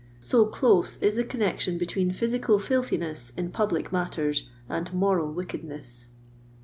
So clo»e is the connection between physical fllthiness in public matten and moral wickedness.